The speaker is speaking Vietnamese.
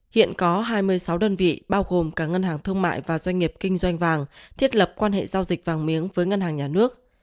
hiện có hai mươi sáu đơn vị bao gồm cả ngân hàng thương mại và doanh nghiệp kinh doanh vàng thiết lập quan hệ giao dịch vàng miếng với ngân hàng nhà nước